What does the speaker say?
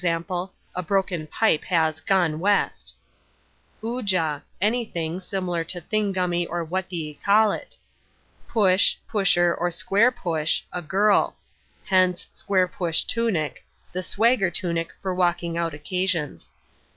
_ a broken pipe has "gone west"); "oojah," anything (similar to thingummy or what d'ye call it); "push," "pusher," or "square push," a girl (hence "square push tunic," the "swagger" tunic for walking out occasions).